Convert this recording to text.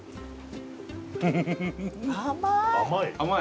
甘い！